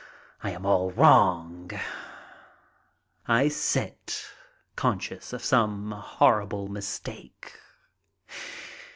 I am all wrong. I sit, conscious of some horrible mistake.